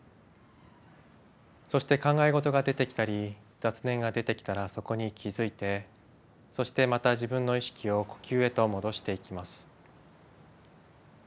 そして考え事が出てきたり雑念が出てきたらそこに気づいてそしてまた自分の意識を呼吸へと戻していきます。